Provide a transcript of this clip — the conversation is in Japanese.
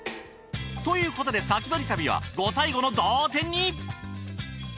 ということで先取り旅は５対５の同点に。